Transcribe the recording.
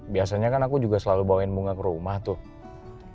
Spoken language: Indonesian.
biasanya kan aku juga selalu bawain bunga ke rumah tuh